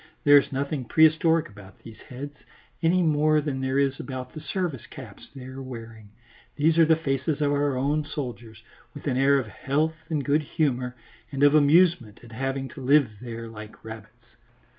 There is nothing prehistoric about these heads, any more than there is about the service caps they are wearing; these are the faces of our own soldiers, with an air of health and good humour and of amusement at having to live there like rabbits.